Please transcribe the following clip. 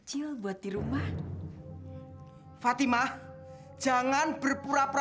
jangan sampai dia kawin sama keponakan ku